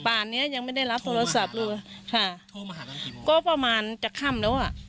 ป่านเนี้ยยังไม่ได้รับโทรศัพท์หรือค่ะโทรมาหากันกี่โมงก็ประมาณจากค่ำแล้วอ่ะ